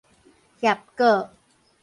拹閣